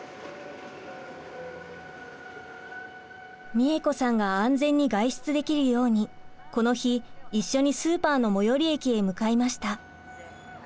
みえ子さんが安全に外出できるようにこの日一緒にスーパーの最寄り駅へ向かいました。